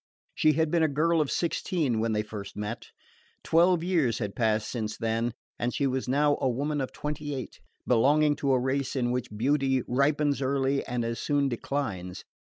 She had been a girl of sixteen when they first met. Twelve years had passed since then, and she was now a woman of twenty eight, belonging to a race in which beauty ripens early and as soon declines.